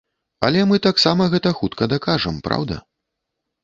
Але мы таксама гэта хутка дакажам, праўда?